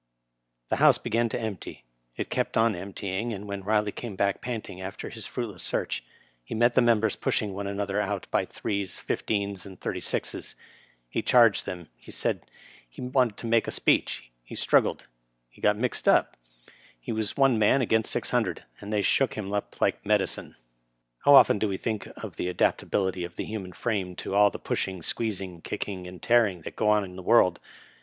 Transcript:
The House began to empty, it kept on emptying, and when Biley came back panting after his fruitless search, he met the members pushing one another out by threes, fifteens, and thirty sixes. He charged them, he said he wanted to make a speech, he struggled, he got mixed up. Digitized by VjOOQIC RILET, M. P. 181 he was one man against six hundred, and they shook him np like medicine. How seldom do we think of the adaptability of the human frame to all the pushing, squeezing, kicking, and fearing that go on in the world.